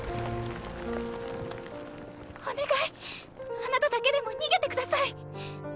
お願いあなただけでも逃げてください！